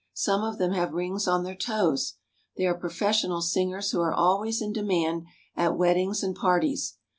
Some of them have rings on their toes. They are professional singers who are always in demand at weddings and parties.